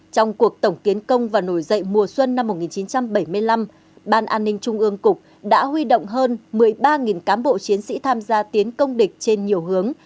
trong cuộc tổng tiến công và nổi dậy mùa xuân năm một nghìn chín trăm bảy mươi năm ban an ninh trung ương cục đã huy động hơn một mươi ba cán bộ chiến sĩ tham gia tiến công địch trên nhiều hướng